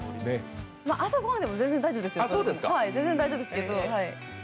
朝ごはんでも全然大丈夫ですよ。